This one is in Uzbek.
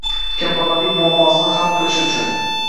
Kambag‘allik muammosini hal qilish uchun